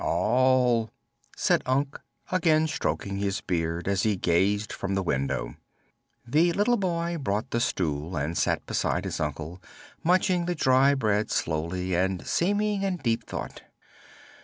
"All," said Unc, again stroking his beard as he gazed from the window. The little boy brought the stool and sat beside his uncle, munching the dry bread slowly and seeming in deep thought.